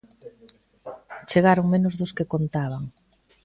Chegaron menos dos que contaban.